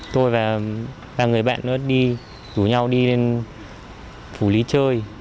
tôi và ba người bạn đi rủ nhau đi lên phủ lý chơi